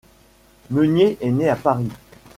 Meunier est né à Paris.